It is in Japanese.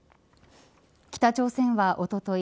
北朝鮮はおととい